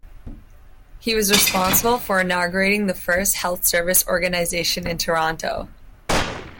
He was responsible for inaugurating the first health service organization in Toronto.